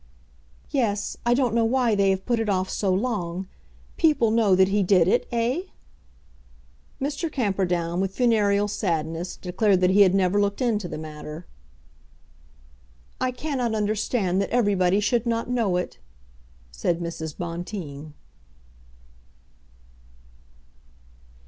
"Yes; I don't know why they have put it off so long. People know that he did it eh?" Mr. Camperdown, with funereal sadness, declared that he had never looked into the matter. "I cannot understand that everybody should not know it," said Mrs. Bonteen.